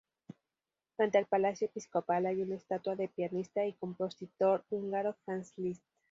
Frente al Palacio Episcopal hay una estatua del pianista y compositor húngaro Franz Liszt.